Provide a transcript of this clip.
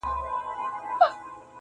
د ښکاري او د مېرمني ورته پام سو -